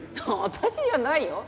私じゃないよ。